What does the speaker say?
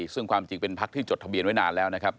ซึ่งความจริงเป็นพักที่จดทะเบียนไว้นานแล้วนะครับ